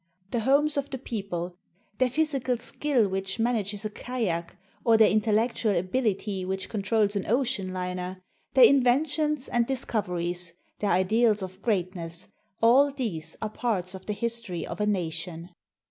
The homes of the people, their physical skill which manages a kayak, or their intellectual ability which controls an ocean liner, their inventions and discoveries, their ideals of greatness — all these are parts of the history of a nation.